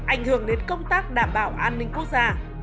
ảnh hưởng đến công tác đảm bảo an ninh quốc gia